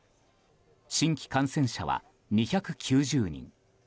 新規感染者は２９０人。